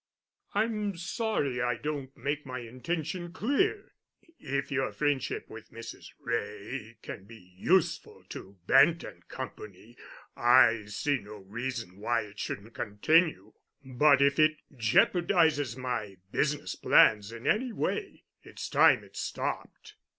"I'm sorry I don't make my intention clear. If your friendship with Mrs. Wray can be useful to Bent & Company I see no reason why it shouldn't continue. But if it jeopardizes my business plans in any way, it's time it stopped.